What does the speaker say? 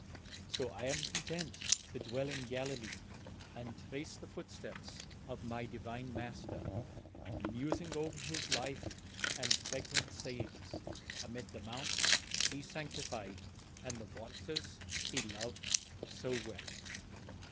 So I am content to dwell in Galilee and trace the footsteps of my Divine Master, musing over his life and pregnant sayings amid the mounts he sanctified and the waters he loved so well."